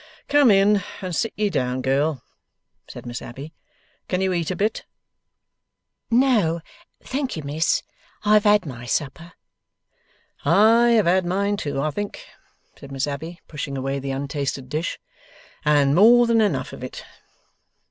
'Come in and sit ye down, girl,' said Miss Abbey. 'Can you eat a bit?' 'No thank you, Miss. I have had my supper.' 'I have had mine too, I think,' said Miss Abbey, pushing away the untasted dish, 'and more than enough of it.